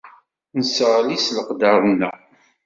Nesseɣli s leqder-nneɣ.